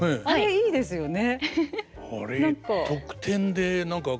いいですよね。